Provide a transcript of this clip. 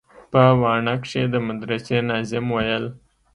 په واڼه کښې د مدرسې ناظم ويل.